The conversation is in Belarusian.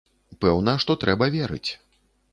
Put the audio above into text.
Пэўна, што трэба верыць.